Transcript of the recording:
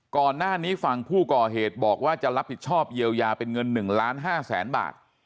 ก่อนหน้านี้ฝั่งผู้ก่อเหตุบอกว่าจะรับผิดชอบเยียวยาเป็นเงิน๑ล้าน๕แสนบาท